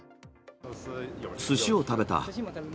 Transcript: すしを食べた。